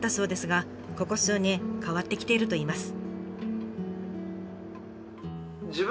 ここ数年変わってきているといいます。